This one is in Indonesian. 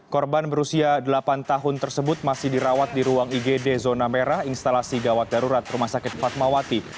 korban berusia delapan tahun tersebut masih dirawat di ruang igd zona merah instalasi gawat darurat rumah sakit fatmawati